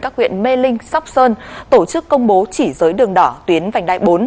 các huyện mê linh sóc sơn tổ chức công bố chỉ giới đường đỏ tuyến vành đai bốn